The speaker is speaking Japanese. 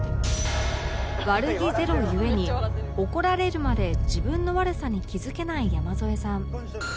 悪気ゼロ故に怒られるまで自分の悪さに気づけない山添さん